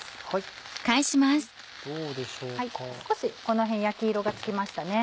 少しこの辺焼き色がつきましたね。